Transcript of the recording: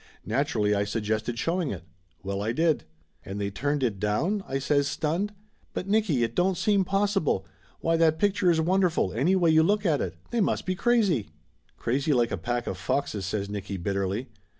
Naturally I suggested showing it. Well, I did!" "And they turned it down ?" I says, stunned. "But Nicky, it don't seem possible. Why, that picture is wonderful, any way you look at it. They must be crazy !" "Crazy like a pack of foxes!" says Nicky bitterly.